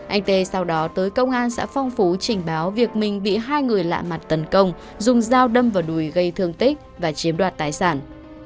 anh tê sau đó tới công an xã phong phú trình báo việc mình bị hai người lạ mặt tấn công dùng dao đâm vào đùi gây thương tích và chiếm đoạt tài sản